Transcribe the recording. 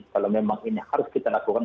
kalau memang ini harus kita lakukan